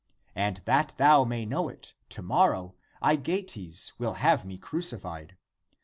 But that thou may know it, to morrow Aegeates will have me crucified.